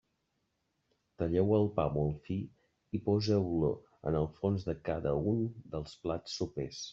Talleu el pa molt fi i poseu-lo en el fons de cada un dels plats sopers.